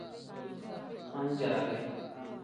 Man-jaari.